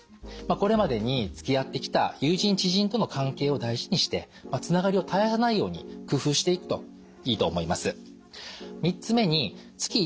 これまでにつきあってきた友人・知人との関係を大事にしてつながりを絶やさないように工夫していくといいと思います。